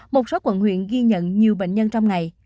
một số quận huyện ghi nhận nhiều bệnh nhân trong ngày